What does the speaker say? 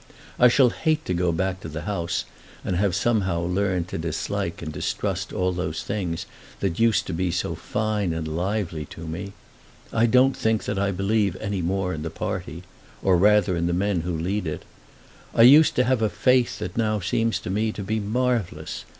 I shall hate to go back to the House, and have somehow learned to dislike and distrust all those things that used to be so fine and lively to me. I don't think that I believe any more in the party; or rather in the men who lead it. I used to have a faith that now seems to me to be marvellous.